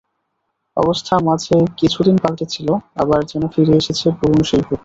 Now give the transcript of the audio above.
অবস্থা মাঝে কিছুদিন পাল্টেছিল, আবার যেন ফিরে এসেছে পুরোনো সেই ভূত।